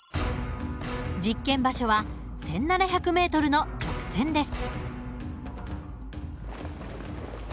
実験場所は１，７００ｍの直線です。